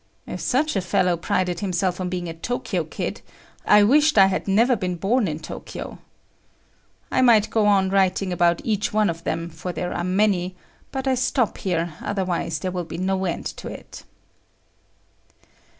If such a fellow prided himself on being a Tokyo kid, I wished I had never been born in Tokyo. I might go on writing about each one of them, for there are many, but I stop here otherwise there will be no end to it.